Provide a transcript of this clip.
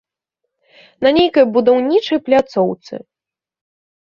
На нейкай будаўнічай пляцоўцы.